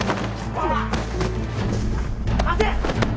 待て！